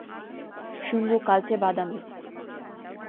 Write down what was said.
শুঙ্গ কালচে বাদামি।